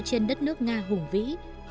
nơi trên đất nước nga hùng vĩ